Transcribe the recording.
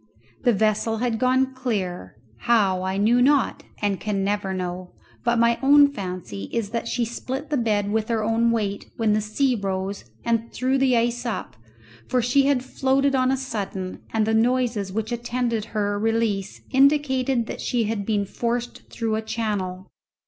The vessel had gone clear; how, I knew not and can never know, but my own fancy is that she split the bed with her own weight when the sea rose and threw the ice up, for she had floated on a sudden, and the noises which attended her release indicated that she had been forced through a channel.